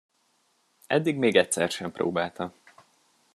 Eddig még egyszer sem próbálta.